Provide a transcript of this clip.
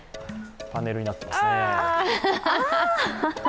パネルになってますね。